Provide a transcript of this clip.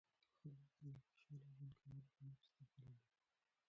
خلک یې د خوشاله ژوند کولو هنر زده بللی.